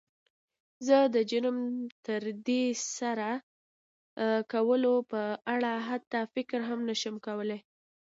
زه د جرم د تر سره کولو په اړه حتی فکر نه شم کولی.